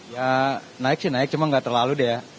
ya naik sih naik cuma nggak terlalu deh ya